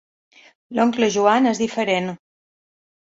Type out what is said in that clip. L'oncle Joan és diferent.